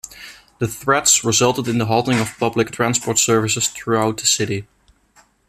The threats resulted in the halting of public transport services throughout the city.